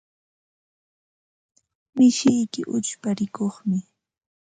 Mishiyki uchpa rikuqmi.